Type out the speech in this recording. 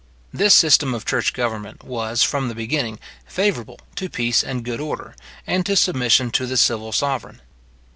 This system of church government was, from the beginning, favourable to peace and good order, and to submission to the civil sovereign.